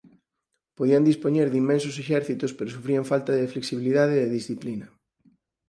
Podían dispoñer de inmensos exércitos pero sufrían falta de flexibilidade e disciplina.